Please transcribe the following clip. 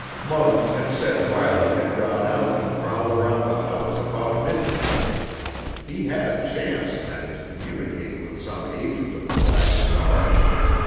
Muggs had said Riley had gone out and prowled around the house about midnight. He had a chance, then, to communicate with some agent of the Black Star.